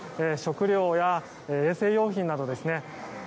食料や衛生用品などですね。